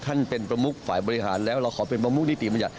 ท่านเป็นประมุกฝ่ายบริหารแล้วเราขอเป็นประมุกนิติบัญญัติ